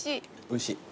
おいしい。